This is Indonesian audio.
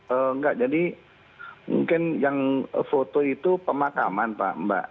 enggak jadi mungkin yang foto itu pemakaman pak mbak